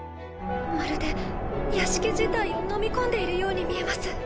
まるで屋敷自体を飲み込んでいるように見えます。